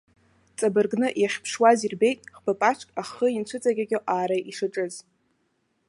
Ҵабыргны, иахьԥшуаз ирбеит ӷба-паҿк аххы инцәыҵакьакьо аара ишаҿыз.